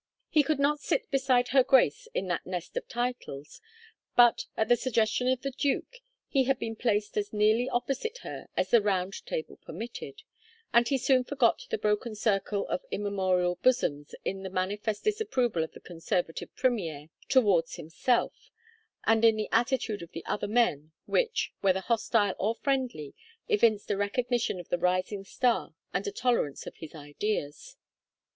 He could not sit beside her grace in that nest of titles, but at the suggestion of the duke he had been placed as nearly opposite her as the round table permitted, and he soon forgot the broken circle of immemorial bosoms in the manifest disapproval of the Conservative premier towards himself, and in the attitude of the other men, which, whether hostile or friendly, evinced a recognition of the rising star and a tolerance of his ideas.